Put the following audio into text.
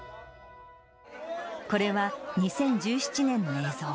これは、２０１７年の映像。